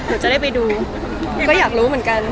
ก็ไปดูก็อยากรู้เหมือนกัน